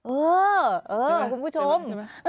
เออเออคุณผู้ชม